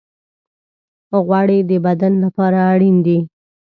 غوړې د بدن لپاره اړین دي.